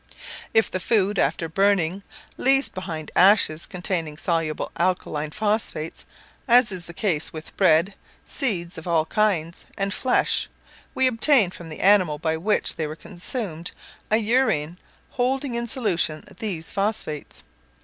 If the food, after burning, leaves behind ashes containing soluble alkaline phosphates, as is the case with bread, seeds of all kinds, and flesh, we obtain from the animal by which they are consumed a urine holding in solution these phosphates.